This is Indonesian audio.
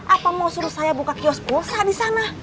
apa mau suruh saya buka kios pulsa di sana